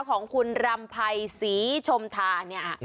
ของคุณรำภัยศรีชมธาเนี่ย